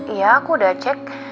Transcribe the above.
iya aku udah cek